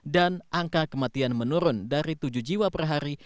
dan angka kematian menurun dari tujuh jiwa per hari